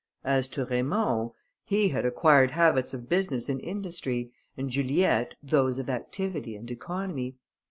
As to Raymond, he had acquired habits of business and industry, and Juliette those of activity and economy.